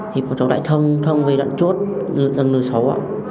thì cháu lại thông thông về đoạn chốt lực lượng xấu ạ